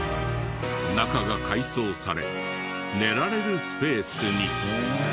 中が改装され寝られるスペースに！